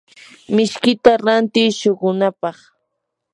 mishkita rantiiy shuqunapaq.